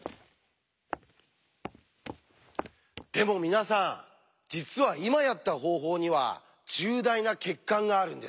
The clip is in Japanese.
でも皆さん実は今やった方法には重大な欠陥があるんです。